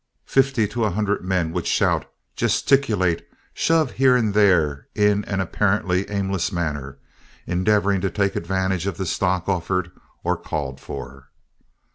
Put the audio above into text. Fifty to a hundred men would shout, gesticulate, shove here and there in an apparently aimless manner; endeavoring to take advantage of the stock offered or called for.